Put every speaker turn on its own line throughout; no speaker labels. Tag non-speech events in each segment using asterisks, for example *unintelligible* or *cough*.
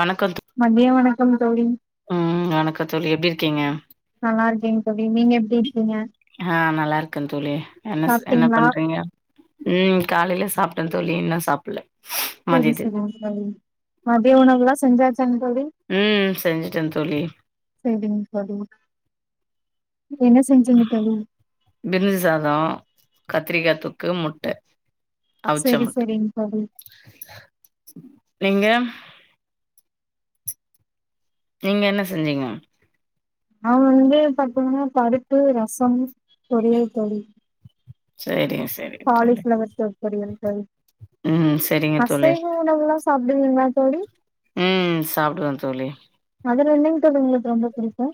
வணக்கம் தோ
மதிய வணக் கம் தோழி
ம் வணக்கம் தோழி எப்டி இருக்கீங்க?
நல்லா இருக்கேங் தோழி நீங்க எப் டி
ஆ நல்லா இருக்கந் தோழி என்னஸ் என்ன
சாப்ட்டீங்களா
பண்றீங்க ம் காலையில சாப் ட தோழி இன்னு சாப்புல்ல
சேரி செரிங் தோழி மதிய உணவுலா செஞ்சாச்
ம் செஞ்சுட்டந் தோழி
சரிங்க தோழி என்ன செஞ்சீங்க தோழி
பிரிஞ்சி சாதம், கத்திரிக்கா தொக்கு முட்ட அவிச்ச
செரி
முட்ட.
செரிங் தோழி
நீங்க நீங்க என்ன செஞ்சீங்க
அவுங்க வந்து பாத்தீங்னா பருப்பு ரசம் பொறியல் தோழி
சேரி
காலிஃப்ளவர் பொறியல்கள்
ம் சரிங்க தோழி.
அசைவ உணவுல்லா சாப்டுவீங்ளா தோழி
ம் சாப்டுவ தோழி
அதுல என்னங் தோழி உங்களுக்கு ரொம்ப புடிக்கு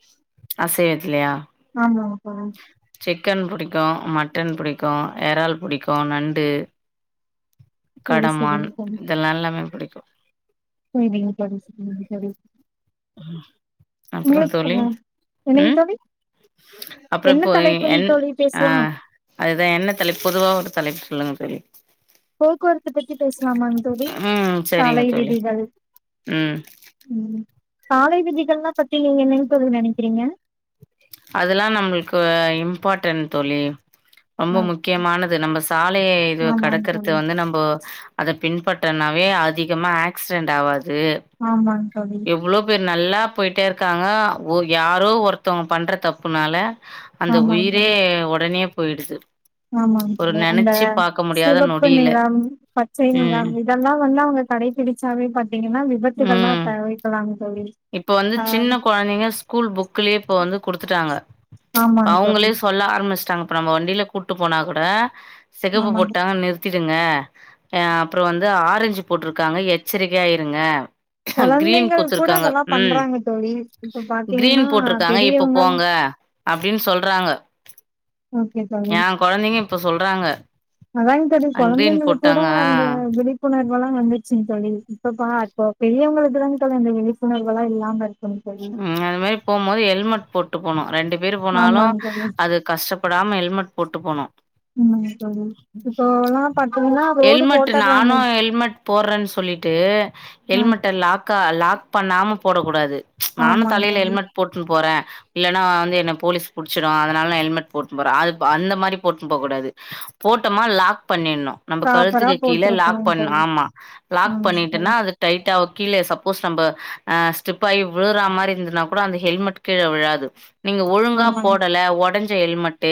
அசைவத்திலயா?
*unintelligible*
கன் புடிக்கு மட்டன் புடிக்கு எறால் புடிக்கு நண்டு
சரி
கடமான்
சரிங்க
இதெல்லா எல்லாமே புடிக்கு
செரிங்க தோழி சரிங்க தோழி
அப்பறொ தோழி
உங்களுக்கு என்னங்க
ம்
தோழி
அப்பறொ
என்ன
இப்போ
தலைப்புங்
என்
தோழி
ஆ
பேசலா
அதுதா என்ன தலைப் பொதுவா ஒரு தலைப் சொல்லுங்க ரு
போக்குவரத்து பத்தி பேசலாம் தோழி
ம் சரிங்க
சாலை
தோழி
விதிகள்
ம்
ம் சாலை விதிகள்னா பத்தி நீங்க என்னங் தோழி நெனக்கிறீங்க
அதெல்லா நம்ளுக்கு இம்பார்ட்டென்ட் தோழி ரொம்ப
ஆ
முக்கியமானது நம்ப சாலையை இதுவ
ஆமாங்
கடக்குறது
தோழி
வந்து நம்போ அத பின்பற்றனாவே அதிகமா ஆக்சிடென்ட் ஆவாது து
ஆமாங் தோழி
எவ்ளோ பே நல்லா போயிட்டே இருக்காங்க ஒ யாரோ ஒருத்தவங்க பண்ற தப்புனால அந்த
ஆமாங்
உயிரே
தோழி
ஒடனே போயிடுது
ஆமாங்
ஒரு
தோழி அந்த
நெனச்சு பாக்க முடியாத
சிவப்பு
நொடியில
நிறம் பச்சை
ம்
நிறம் இதெல்லா வந்து அவங்க கடைபிடிச்சாவே பாத்தீங்கன்னா
ம்
விபத்துகள்லாம் தவிர்கலாங்க
இப்ப வந்து சின்ன கொழந்தைங்க ஸ்கூல் புக்லயே இப்ப வந்து குடுத்துட்டாங்க
ஆமாங் தோழி
அவங்களே சொல்ல ஆரம்பிச்சிட்டாங்க இப்போ நம்ம வண்டியில் கூட்டு போனா கூட சிகப்பு
ஆமாங்க
போட்டா நிறுத்தி ங்க ஆ அப்புறம் வந்து ஆரஞ்சு போட்டிருக்காங்க எச்சரிக்கையா இருங்க கிரீன்
கொழந்திங்கள் கூட
குத்துருக்காங்க
அதெல்லாம்
ம்
பண்றாங்க தோழி இப்ப பாத்தீங்கன்னா பெரியவங்க
அப்படின் சொல்றாங்க
ஓகே தோழி
ஏ கொழந்தங்க இப்ப சொல்றாங்க
அதாங்க தோழி
அ கிரீன்
கொழந்தைங்களுக்கு கூட
போட்டாங்க ஆ
அந்த விழிப்புணர் இப்பலாம் வந்துச்சுங்க தோழி இப்பப்ப அ இப்ப பெரியவங்களுக்கு தான் இந்த விழிப்புணர்வு இல்லாம இருக்குங்க தோழி
ம் அது மாரி போம்போது ஹெல்மெட் போட் டுபோனும் ரெண்டு பேர் போனாலு
ஆமாங்க தோழி
அது கஷ்டப்படாம ஹெல்மெட் போட்டு போனு
உண்மைங்க தோழி இப்போல்லா பாத்தீங்கன்னா ரோடு
ஹெல்மெட்
போட்டர்றாங்க
நானு ஹெல்மெட் போட்றன்னு சொல்லிட்டு
ஆ
ஹெல்மெட்ட லாக் க லாக் பண்ணாம போடக் கூடாது நானு
ஆமாங்க
தலையில
தோழி
ஹெல்மெட் போட்டுன் போறே இல்லன்னா வந்து என்ன போலீஸ் புடுச்சுடு அதனால ஹெல்மெட் போட்டுன் போற ஆ அந்த மாரி போட்டுன் போக் கூடாது போட்டோமா லாக் பண்ணிட்ணும் நம்ம
ப்ராப்பரா
கழுத்துக்கு கீழ லாக்
போட்ருக்கணுங்க
பண்ண
தோழி
ஆமா லாக்
ஆமாங்க தோழி
பண்ணிட்டுனா அது டைட்டா கீழே சப்போஸ் நம்ப ஆ ஸ்டெப் ஆயி விழுற மாரி இருந்தனா கூட அந்த ஹெல்மெட் கீழ விழாது நீங்க ஒழுங்கா
ஆமாங்க
போடல ஒடஞ்சு ஹெல்மெட்டு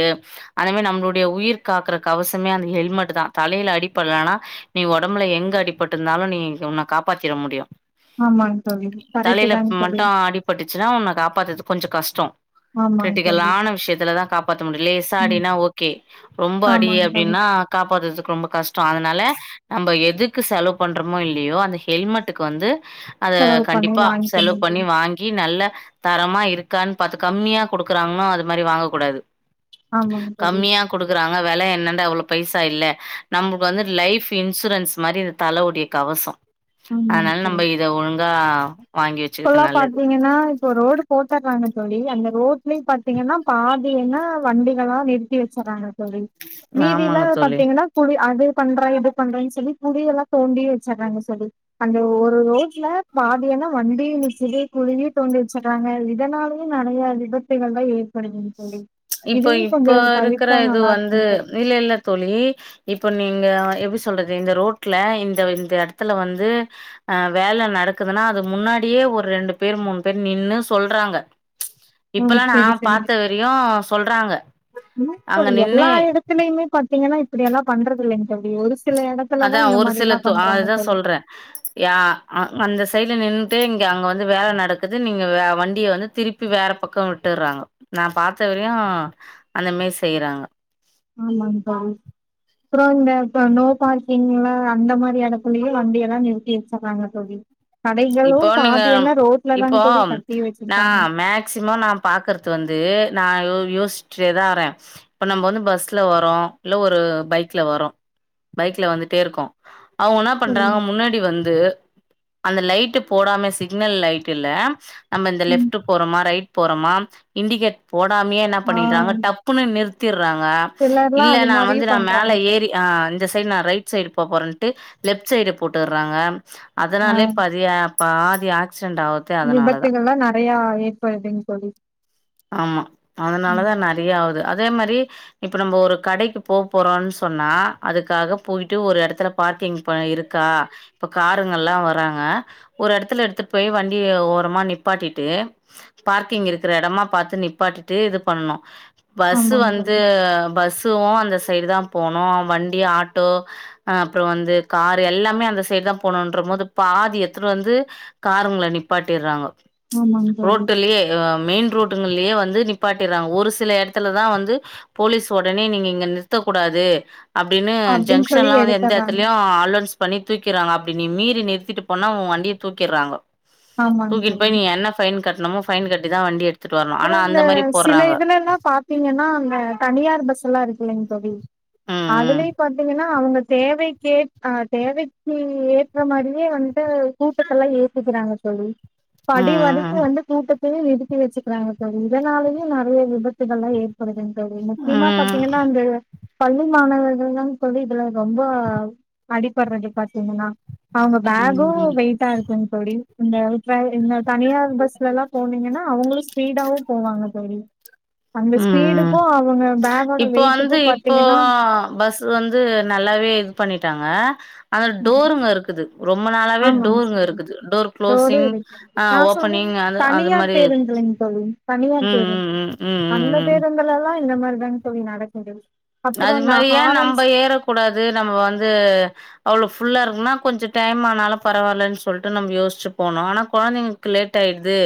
அந்த மாரி நம்ளுடைய உயிர் காக்குற கவசமே அந்த ஹெல்மெட் தா தலையில அடிபட்லனா நீ ஒடம்புல எங்க அடிபட்ருந்தாலும் நீ உன்ன காப்பாத்திற முடியும்
ஆமாங் தொழி கரட்டு தாங்க
மும்
தோழி
அடிட்டுச்சுன்னா உன்ன காப்பாத்றது கொஞ்சொ கஷ்டம்
ஆமாங்க தோழி
கிரடிகலான விஷயத்துல தா காப்பாத்த முடியு லேசா
ம்
அடின்னா ஓகே ரொம்ப அடி
ஆமாங்க தோழி
அப்டின்னா காப் போறதுக்கு ரொம்ப கஷ்டோ அதனால நம்ம எதுக்கு செலவ் பண்றோமோ இல்லையோ அந்த ஹெல்மெட்டுக்கு வந்து அத
செலவு பண்ணி
கண்டிப்பா
வாங்க்கனு
செலவு பண்ணி வாங்கி நல்ல தரமா இருக்கான் பாத்து கம்மியா குடுக்குறாங்ன்னா அது மாரி வாங்க கூடாது
ஆமாங்க தோழி
கம்மியா குடுக்குறாங்க வெல என்னான்டா அவ்ளோ பைசா இல்ல நம்மளுக்கு வந்து லைஃப் இன்சூரன்ஸ் மாரி இந்த தலவுடைய கவச
ஆமாங்க
அதனால
தோழி
நம்ம இத ஒழுங் ஆ வாங்
இப்பல்லா பாத்தீங்கன்னா இப்ப ரோடு போட்டர்றாங்க தோழி அந்த ரோட்லயு பாத்தீங்கன்னா பாதியென வண்டிகளா நிறுத்தி வச்சர்றாங்க ழி மீதியெல்லா
ஆமாங்க தோழி
பாத்திங்னா குழி அது பண்ற இது பண்றேன்னு சொல்லி குழியெல்லா தோண்டி வச்சர்றாங்க தோழி அந்த ஒரு ரோட்ல பாதியன வண்டியு *unintelligible* குழியு தோண்டி வச்சர்றாங்க இதனாலயே நெறைய விபத்துகள்லா ஏற்படுதுங் தோழி
இப்ப
இதையு
இப்ப
கொஞ்சோ
இருக்கிற
தவிர்த்தா
இது
நல்லா
வந்து
இருக்குங்க தோழி
இல்லல்ல தோழி இப்ப நீங்க எப்டி சொல்றது இந்த ரோட்ல இந்த இந்த எடத்துல வந்து அ வேல நடக்குதுன்னா அது முன்னாடியே ஒரு ரெண்டு பேர் மூணு பேர் நின்னு சொல்றாங்க இப்பல்லா நா பாத்த வரயூ
இப்ப எல்லா எடத்துலயுமே பாத்தீங் னா இப்படியெல்லா பண்றதில்லைங்
அதா ஒரு சில த
பண்றாங்க
அதா
தோழி
சொல்றே யா அ அந்த சைடுல நின் னுட்டு இங்க அங்க வந்து வேல நடக்குது நீங்க வே வண்டிய வந்து திருப்பி வேற பக்கம் விட்டுர்றாங்க நா பாத்த வரையு அந்த மேரி செய்றாங்க
ஆமாங் தோழி அப்புற இந்த இப்ப நோ பார்க்கிங்ல அந்த மாரி எடத்துலயு வண்டி எல்லா நிறுத்தி வச்சர்றாங்க தோழி கடைகளு
இப்போ நீங்க
பாதி எல்லா ரோட்ல
இப்போ
தாங்க தோழி கட்டி
நா
வச்சிருக்காங்க
மேக்சிமம் நா பாக்கறது வந்து நா யோசிச்சிட்டேதா வர்ற இப்ப நம்ம வந்து பஸ்ல வரோ இல்ல ஒரு பைக்ல வரோ பைக்ல வந்துட்டேருக்கோ அவுங்க என்னா பண்றாங்க
ம்
முன்னாடி வந்து அந்த லைட் டு போடாம சிக்னல் லைட் இல்ல நம்ம இந்த
ம்
லெஃப்ட் போறமா ரைட் போறமா இண்டிகேட் போடாமயே என்ன
ஆ
பண்ணிடாங்க டப்புன்னு நிறுத் றாங்க
சிலர்லா அது
இல்லனா
மாரியு
வந்து நா மேல
பண்றாங்க தோழி
ஏறி ஆ இந்த த சைடு நா ரைட் சைடு போப்போறேன்ட்டு லெஃப்ட் சைடு போட்டர்றாங்க
ஆ
அதனாலே பதிய பாதியா ஆக்ஷிடன்ட் ஆவறதே அதனாலதா
விபத்துகள்லா நெறையா ஏற்படுதுங்க தோழி
ஆமா அதனாலதா
ம்
நெறைய ஆவுது அது அதே மாரி இப்ப நம்ம ஒரு கடைக்கு போபோறோம்னு சொன்னா அதுக்காக போய்ட்டு ஒரு எடத்துல பார்க்கிங் ப இருக்கா இப்ப காருங்கல்லா வராங்க ஒரு எடத்துல எடுத்துட் போய் வண்டிய ஓரமா நிப்பாட்டிட்டு பார்க்கிங் இருக்கற எடமா பாத்து நிப்பாட்டிட்டு இது பண்ணோ பஸ்ஸு
ஆமாங்க
வந்து
தோழி
பஸ்ஸுவோ அந்த சைடு தா போனோ வண்டி ஆட்டோ அப்புறோ வந்து காரு எல்லாமே அந்த சைடு தா போனோன்ற மோது பாதி எத் துனுவந்து காருங்கள நிப்பாட்டிறாங்கோ
ஆமாங்க தோழி
ரோட்டுலயே அ மெயின் ரோட்டுங்கல்லையே வந்து நிப்பாட்டிறாங்க ஒரு சில எடத்துலதா வந்து போலீஸ் ஒடனே நீங்க இங்க நிறுத்தக் கூடாது அப்டின்னு
அப்டின்னு சொல்லி
ஜங்ஷன்லா வந்து எந்த
எடுத்தர்றாங்க
எட்த்துலியு அலோன்ஸ் பண்ணி தூக்கிறாங்க அப்டி நீ மீறி நிறித்திட்டுப் பண்ணா உ வண்டிய தூக்கிற்றாங்க
ஆமாங்க
தூக்கிட்
தோழி
போய் நீ என்ன ஃபைன் கட் நம்ம ஃபைன் கட்டிதா வண்டி எடுத்
அப்றோ இந்த சில இதுலலா பாத்தீங்கன்னா அந்த தனியார் பஸ்ல்லாருக் செரிங் தோழி
ம்
அதுலயு பாத்திங்கன்னா அவுங்க தேவைக்கே அ தேவைக்கு ஏற்ற மாரியே வன்ட்டு கூட்டத்தெல்லா ஏத்திக்கிறாங்க தோழி படி
ம்
வரைக்குவந்து கூட்டத் து நிருத்தி வச்சிட் றாங்க தோழி இதனாலயே நெறைய விபத்துகளா ஏற்படுதுங் தோழி
ம்
முக்கியமா
ம்
பாத்தீங்கன்னா அந்த பள்ளி மாணவர்கள்தாங் தோழி இதுல ரொம்ப அடிபற்றது பாத்தீங்கன்னா அவுங்க
ம்
பேகு
ம்
வெயிட்டாருக்குங் தோழி இங்க இப்ப இந்த தனியார் பஸ்லலா போனீங்கன்னா அவுங்களு அந்த
ம் ம் ம்
ஸ்பீடுக்கு அவ்
இப்போ வந்து இப்போ பஸ் வந்து நல்லாவே இது பண்ணிட்டாங்க ஆனா
ம்
டோருங்க இருக்குது ரொம்ப நாளாவே
ஆமாங்க
டோருங்க
சார்
இருக்குது டோர்
டோரு
க்ளோஸிங்
இருக்கு
ஆ
நா சொல்றது
ஓப்பனிங் அது அது
தனியார்
மாரி இருக்கு
பேருந்துலைங்க தோழி தனியார்
ம்
பேருந்து
ம் ம் ம்
அந்த
ம் ம்
பேருந்துலல்லா இந்த மாதிரிதாங் தோழி நடக்குது அப்புறோ
அது
இந்த
மாரி ஏ நம்ப
ஹாரன்ஸ்
ஏறக்கூடாது நம்ம வந்து அவ்ளவு ஃப் ஃபுல்லா இருக்குன்னா கொஞ்ச டைம் ஆனாலு பரவால்லன் சொல்ட்டு நம்ம யோஷ்சி போனோ ஆனா கொழந்தைங்களுக்கு லேட் ஆயிடுது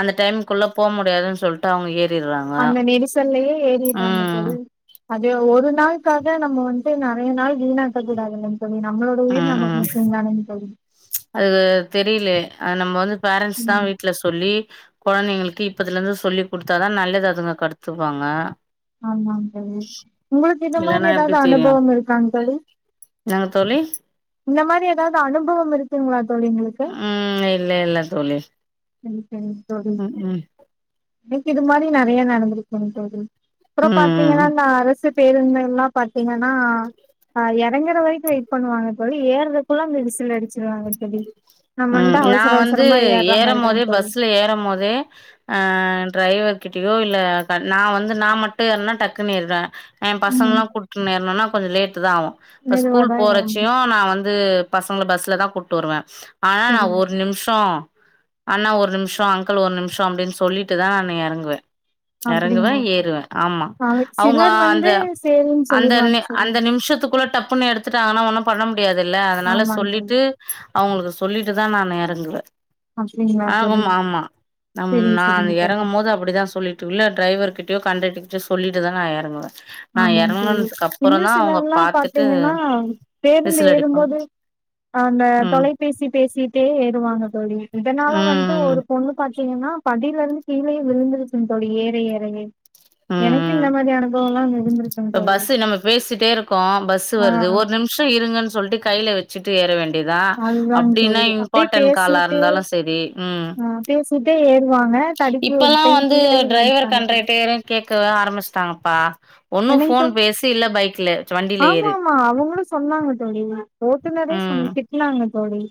அந்த டைமுக்குள்ள போ முடியாதுன் சொல்ட்டு அவுங்க ஏற்
அந்த நெரிசல்லயே ஏறிறாங்க
ம்
தோழி அது ஒரு நாள்க்காக நம்ம வன்ட்டு நெறைய நாள் வீனாக்க கூடாதுலங்
அ அ அது தெரியல அதுல நம்ம வந்து பேரண்ட்ஸ் தா
ம்
வீட்டுல சொல்லி குழந்தைங்களுக்கு இப்பத்துல இருந்து சொல்லி் கொடுத்தாதா நல்லது அதுங்க கத்துவாங்க
ஆமாங் தோழி உங்களுக்கு இந்த
இல்லன்னா
மாரி ஏதாவது அனுபவம் இருக்காங் தோழி
என்னங் தோழி
இந்த மாரி ஏதாவது அனுபவம் இருக்குங்களா தோழி உங்களுக்கு
ம் இல்ல இல்ல தோழி
சரி சரி தோழி
ம் ம்
*unintelligible* இது மாரி நறைய நடந்திருக்குங் தோழி அப்புறம்
ம்
பாத்தீங்கன்னா
ம்
நா ரெசிப்ட் பேருந்துல்லாம் பாத்தீங்கன்னா *unintelligible* இறங்கர வரைக்கு வெயிட் பண்ணுவாங்க வந்து ஏறதுக்குள்ள அந்த விசில் அடிச்சிருவாங்க தோழி நம்ம
அ
வந்ட்டு அவசர
நான் வந்து
அவசரமா ஏர்ற
ஏறம்
மாரிதாங்
போதே
தோழி
பஸ்ல ஏறம் போதே அ டிரைவர் கிட்டியோ இல்ல நா வந்து நா மட்டு ஏறுன்னா டக்குனு ஏறுவே என் பசங்க
ம்
எல்லா கூட்டட்டு ஏறணுன்னா கொஞ்ச லேட்டுதா ஆவு இப்ப ஸ்கூல்
மெதுவாதா ஏறனு
போறச்சையு நான் வந் *unintelligible* பசங்க பஸ்லதா கூட்டிட்டு வருவே ஆனா நான்
சரிங்க
ஒரு நிமிஷம் அண்ணா ஒரு நிமிஷ அங்கிள் ஒரு நிமிஷ அப்படின்னு சொல்லிட்டுதா நான் இறங்குவே இறங்குவேன்
அப்டிங்களா
ஏறுவேன் ஆமா
அவ
அவங்க
சிலர்
அந்த
வந்து சேரின்னு
அந்த
சொல்லிருவாங்க தோழி
அந்த நிமிஷத்துக்குள்ள டப்ப புன்னு எடுத்துட்டாங்கன்னா ஒன்னும் பண்ண முடியாதுல்ல அதனால
ஆமாங் தோழி
சொல்லிட்டு அவுங்களுக்கு சொல்லிட்டுதா நானு எறங்குவ.
அப்டிங்களா தோழி
ஆகுமா ஆமா நம்
செரி
நான்
சரிங்க தோழி
எறங்குமோது அப்டிதா சொல்லிட்டு உள்ள டிரைவர் கிட் ட்யும் கன்டக்டர்கிட்யும் சொல்லிட்டுதா நான் எறங்குவேன். நான்
ஆமாங் தோழி
எறங்குனதுக்கு அப்புறம்
இன்னும்
தான் அவங்க
சிலர்ல்லாம்
பாத்துட்டு
பாத்திங்கனா பேருந்து
விசில் அடிப்பாங்க
ஏறுமோது அந்த
ம்
தொலைபேசி பேசிட்டே ஏறுவாங்க தோழி இதனால
ம்
வந்து ஒரு
ம்
பொண்ணு *unintelligible* திங்கன்னா படில இருந்து கீழயே விழுந்துருச்சுங் தோழி ஏற ஏறைய
ம்
எனக்கு
ம்
இந்த மாரி அனுபவம்லாங்
இப்ப பஸ்சு நம்ம பேசிட்டே இருக்கோம் பஸ்சு
ஆ
வருது ஒரு நிம்ஷ இருங்கன்னு சொல்ட்டு கை ல வெச்சிட்டு ஏற வேண் அப்டிதா
அதுதாங்
அப்டின்னா
தோழி அப்டியே
இம்பார்ட்டன்ட் காலா
பேசிட்டு
இருந்தாலு செரி ம்
ஆ பேசிட்டே ஏறுவாங்க தடுக்கி ஒரு
இப்பல்லா
டைம்
வந்து
கீழயே
டிரைவர்
விழுந்துட்டாங்க தோழி
கன்டக்டர கேக்கவே ஆரம்பிச்சுட்டாங்கப்பா ஒன்னு‌
என்னங்க
ஃபோன்
தோழி
பேசு இல்ல பைக்ல வண்டில ஏறு
ஆ தோழி ந ஓட்டுநரே சொன்
ம்.
திட்னாங்க தோழி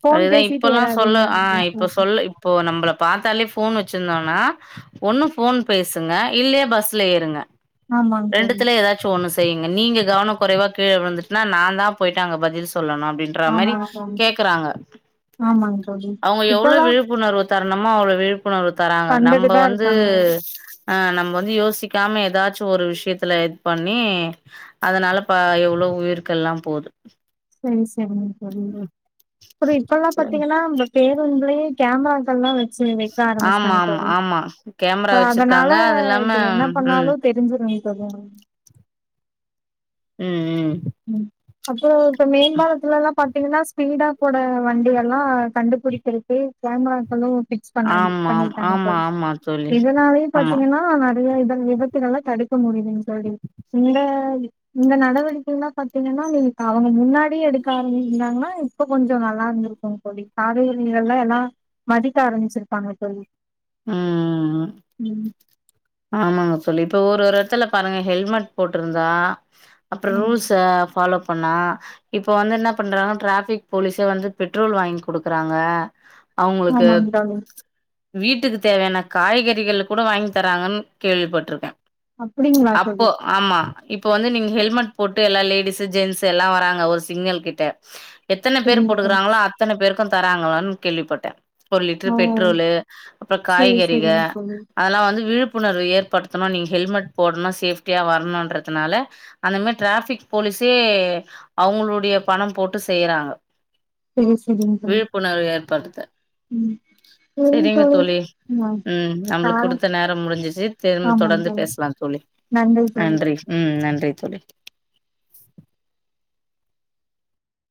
ஃபோன்
அதுதான்
பேசிட்டு
இப்பல்லாம் சொல்ல
ஏறாதீங்க
ஆ
அப்டின்னு
இப்ப
சொல்லிட்டு
சொல்ல இப்போ நம்பள பாத்தாலே போன் வ ச்சிருந்தானா ஒண்ணு ஃபோன் பேசுங்க இல்லாயா பஸ்ல ஏறுங்க
ஆமாங் தோழி
ரெண்டுத்துல ஏதாச்சும் ஒண்ணு செ பெய்ங்க நீங்க கவன கொறைவா கீழ விழுந்துட்ணா நான் தான் போயிட்டு அங்க பதில் சொ சொல்லணும் அப்டின்ற மாரி கேக்குறாங்க.
ஆமாங்க தோழி இப்பலா
தரணமா அவ்ளோ விழு ப்புணர்வு தராங்க நம்ப வந்து
இருக்காங்க
ஆ நம்ப வந்து யோசிக் க்காம ஏதாச்சும் ஒரு விஷயத்துல இது பண்ணி அதனால பா எவ்வளோ உயிர்கல்லாம் போது.
ம் செரிங்க தோழி.
ம்
அப்டி இப்பல்லாம்
சரி.
பாத்தீங்கன்னா பேருந்துலுயே கேமராக்கேல்லாம் வெ சிலர் வெக்க
ஆமா
ஆரம்பிச்டாங்க
ஆமா ஆமா கேமரா
தோ அதனால
வச்சிருக்காங்க அது இல்லாம
இது என்ன
ம் ம்
பண்ணாலும் தெரிஞ்சிரு‌ தோழி உங்குளுக்கு
ம் ம்
ம் அப்றோ இப்ப மெயின் பாலத்ல எல்லா பாத்தீங்கன்னா ஸ்பீடா கூட வண்டி எல்லா கண்டுபுடிக்கருக்கு கேமராக்கெல்லா ஃபிக்ஸ் பண்ணாடி
ஆமா
பண்ணிட்டாங்க
ஆமா
போல
ஆமா தோழி
இதனாலயே
ஆமா
பாத்தீங்கன்னா நெறயா இத விபத்துகள் எல்லா தடுக்க முடியுதுங்கு தோழி இந்த நடவடிக்கையெல்லா பாத்தீங்கன்னா நீ அவங்க முன்னாடியே எடுக்க ஆரம்பச்சிருந்தாங்கன்னா இப்ப கொஞ்சம் நல்லா இருந்துருக்கும்ங்க தோழி காய்கறிகள் எல்லாம் எல்லாம் மதிக்க ஆரம்பிச்சிருப்பாங்க தோழி
ம்
ம்
ஆமாங்க தோழி இப்ப ஒரு ஒரு இடத்துல பாருங்க ஹெல்மெட் போட்ருந்தா அப்புற
ம்.
ரூல்ஸ ஃபாலோ பண்ணா இப்ப வந்து என்னா பண்றா ட்ராஃபிக் போலீஸே வந்து பெட்ரோல் வாங்கி குடுக்குறாங்க
ஆமாங் தோழி
வீட்டுக்குத் தேவையான காய்கறிகள கூட வாங்கி தராங்கன் கேள்விப்பட்டுருக்க
அப்டிங்களா தோழி
*unintelligible* ப்ப வந்து நீங்க ஹெல்மெட் போட் ட்டு எல்லா லேடிஸ் ஜென்ஸ் எல்லா வராங்க ஒரு சிக்னல் கிட்ட எத்தன பேர்
சரிங்க தோழி.
போட்டுக்குறாங்களோ அத்தன பேருக்கு தராங்களனு கேள்விப்பட்ட ஒரு லிட்டர்
ஓ!
பெட்ரோலு அப்றொ
சரி,
காய்கறிக
சரிங்க தோழி.
அதெல்லா வந்து விழுப் ப்புணர்வு ஏற்படுத்தணு நீங் ஹெல்மெட் போடணும் சேஃப்டியா வரணுன்றதுனால அந்த மாரி டிராபிக் போலீஸே அவங்களுடைய பணம் போட்டு செய்றாங்க.
செரி செரிங்க்கா
கடுத்த சரிங்க தோழி ம் நம்மளுக்
காலம்
குடுத்த நேரம் முடிஞ்சுச் து தெந்
ஆமாங்க
தொடர்ந்து
தோழி.
பேசலாம் தோழி நன்றி ம் ம் நன்றி தோழி